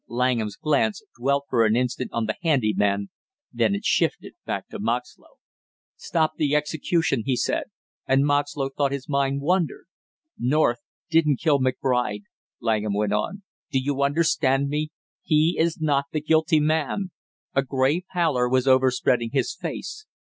Langham's glance dwelt for an instant on the handy man, then it shifted back to Moxlow. "Stop the execution!" he said, and Moxlow thought his mind wandered. "North didn't kill McBride," Langham went on. "Do you understand me he is not the guilty man!" A gray pallor was overspreading his face.